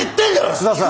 楠田さん。